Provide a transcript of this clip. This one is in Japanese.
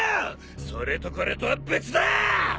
それとこれとは別だ！